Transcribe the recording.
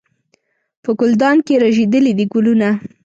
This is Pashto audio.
په ګلدان کې رژېدلي دي ګلونه